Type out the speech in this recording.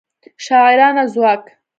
شاعرانه ځواک